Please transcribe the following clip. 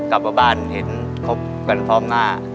กลับมาบ้านเห็นคบกันพร้อมหน้า